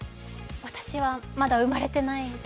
私はまだ生まれてないです。